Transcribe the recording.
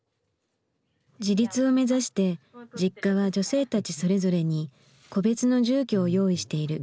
自立を目指してＪｉｋｋａは女性たちそれぞれに個別の住居を用意している。